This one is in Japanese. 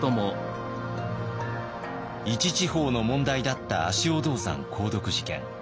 一地方の問題だった足尾銅山鉱毒事件。